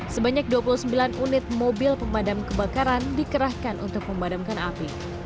sebanyak dua puluh sembilan unit mobil pemadam kebakaran dikerahkan untuk memadamkan api